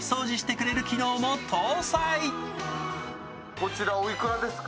こちらおいくらですか？